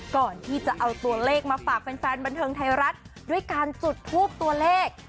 ก่อนที่จะเอาตัวเลขมาฝากแฟนบันเทิงไทยรัฐด้วยการจุดทูปตัวเลข